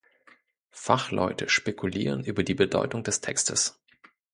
Fachleute spekulieren über die Bedeutung des Textes.